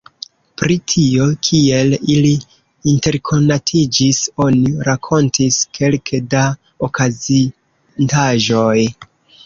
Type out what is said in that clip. Pri tio, kiel ili interkonatiĝis, oni rakontis kelke da okazintaĵoj.